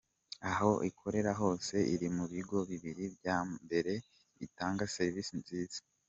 Aho ikorera hose iri mu bigo bibiri bya mbere bitanga serivisi nziza.